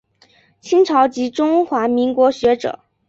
清朝及中华民国学者。